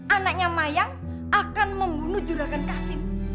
anaknya mayang akan membunuh juragan kasim